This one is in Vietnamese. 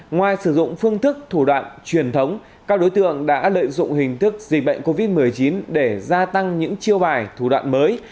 ngoài sử dụng phương thức thủ đoạn truyền thống các đối tượng đã lợi dụng hình thức dịch bệnh covid một mươi chín để gia tăng những chiêu bài thủ đoạn mới